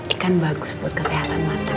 ikan bagus buat kesehatan mata